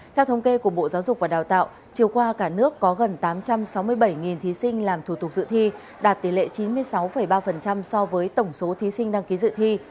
theo thống kê của bộ giáo dục và đào tạo chiều qua cả nước có gần tám trăm sáu mươi bảy thí sinh làm thủ tục dự thi đạt tỷ lệ chín mươi sáu ba so với tổng số thí sinh đăng ký dự thi